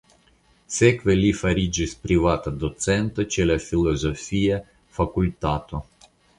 Sekve li fariĝis privata docento ĉe la filozofia fakultato.